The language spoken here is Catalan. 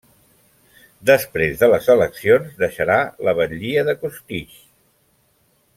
Després de les eleccions deixarà la batlia de Costitx.